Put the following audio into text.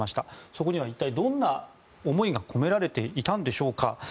そこには一体どんな思いが込められていたんでしょうか。